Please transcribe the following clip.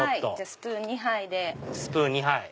スプーン２杯。